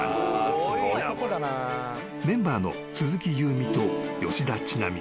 ［メンバーの鈴木夕湖と吉田知那美